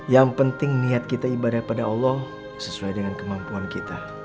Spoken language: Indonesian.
yang penting niat kita ibadah pada allah sesuai dengan kemampuan kita